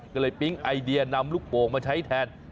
ก็เลยปิ๊งไอเดียนำลูกโป่งมาใช้แทน